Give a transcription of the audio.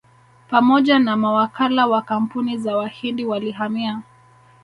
Pamoja na mawakala wa kampuni za Wahindi walihamia